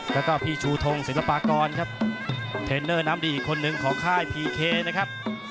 แล้วก็พี่ชูทงศิลปากรครับเทรนเนอร์น้ำดีอีกคนนึงของค่ายพีเคนะครับ